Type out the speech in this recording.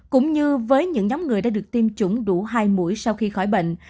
cũng như với những nhóm người đã được tiêm chủng đủ hai mũi sau khi khỏi bệnh